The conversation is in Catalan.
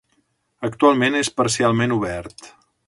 Actualment és parcialment obert.